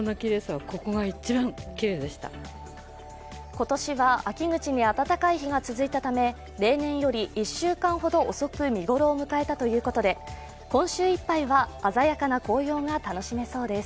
今年は秋口に暖かい日が続いたため例年より１週間ほど遅く見頃を迎えたということで、今週いっぱいは鮮やかな紅葉が楽しめそうです。